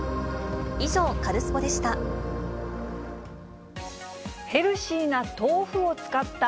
以上、カルスポっ！でした。